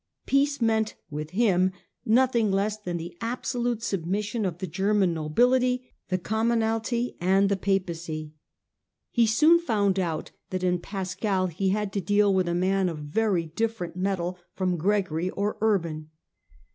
Peace meant, with him, nothing less than the absolute submission of the German nobility, the com monalty, and the Papacy. He soon found out that in Pascal he had to deal with a man of very different Digitized by VjOOQIC 1 88 HlLDEDRAND metal from Gregory of Urban.